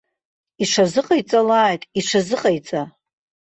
Иҽазыҟаиҵалааит, иҽазыҟаиҵа.